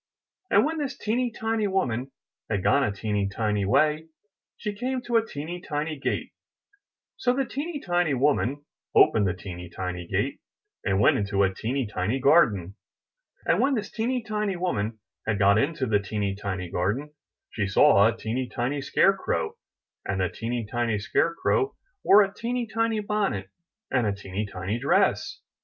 And when this teeny tiny woman had gone a teeny tiny way, she came to a teeny tiny gate; so the teeny tiny woman opened the teeny tiny gate, and went into a teeny tiny garden. And when this teeny tiny woman had got into the teeny tiny garden, she saw a teeny tiny scare crow, and the teeny tiny scare crow wore a teeny tiny bonnet and a teeny tiny dress.